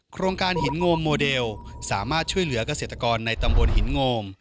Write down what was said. โครงการหินโงมโมเดลสามารถช่วยเหลือกเกษตรกรในตำบลหินโงม